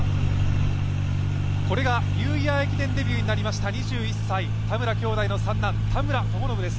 これがニューイヤー駅伝デビューになりました２１歳、田村兄弟の三男、田村友伸です。